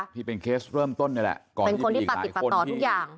เป็นเคสเริ่มต้นนี่แหละเป็นคนที่ปฏิติปัตติต่อทุกอย่าง